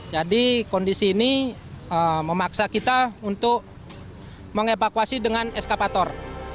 jadi kondisi ini memaksa kita untuk mengevakuasi dengan eskavator